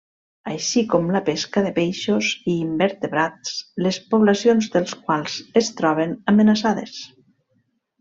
Així com la pesca de peixos i invertebrats les poblacions dels quals es troben amenaçades.